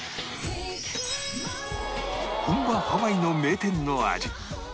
本場ハワイの名店の味